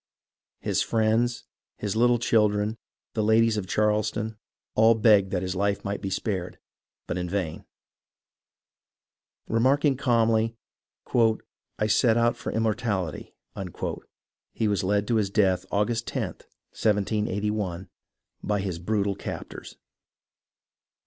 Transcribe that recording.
His friends, his little children, the ladies of Charleston, all begged that his life might be spared, but in vain. Remarking calmly, " I set out for immortality," he was led to his death August loth, 1781, by his brutal captors.